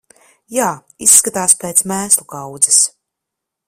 Jā, izskatās pēc mēslu kaudzes.